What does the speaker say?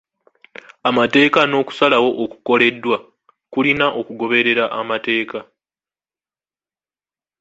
Amateeka n'okusalawo okukoleddwa kulina kugoberera amateeka.